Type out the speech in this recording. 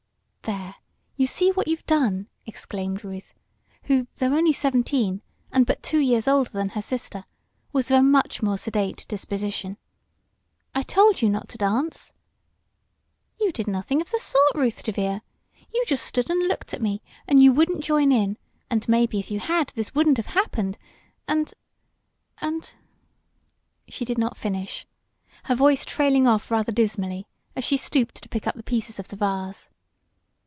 "There, you see what you've done!" exclaimed Ruth, who, though only seventeen, and but two years older than her sister, was of a much more sedate disposition. "I told you not to dance!" "You did nothing of the sort, Ruth DeVere. You just stood and looked at me, and you wouldn't join in, and maybe if you had this wouldn't have happened and and " She did not finish, her voice trailing off rather dismally as she stooped to pick up the pieces of the vase.